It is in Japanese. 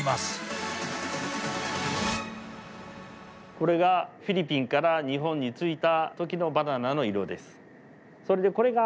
これがフィリピンから日本に着いた時のバナナの色です。